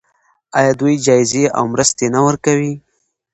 آیا دوی جایزې او مرستې نه ورکوي؟